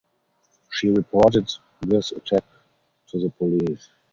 She reported this attack to the police.